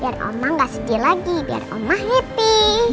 biar oma gak sedih lagi biar oma happy